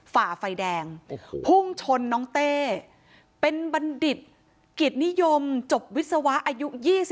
ฝ่าไฟแดงพุ่งชนน้องเต้เป็นบัณฑิตกิจนิยมจบวิศวะอายุ๒๒